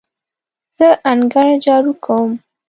زه انګړ جارو کوم.